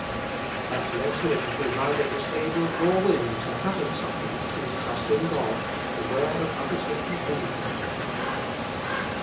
But let him who neither is able nor willing to hazard something through trust in God, beware of undertaking any thing."